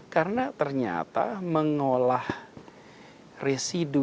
karena ternyata mengolah residu